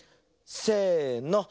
せの。